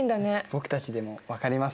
僕たちでも分かりますかね？